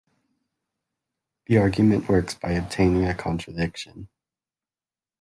The argument works by obtaining a contradiction.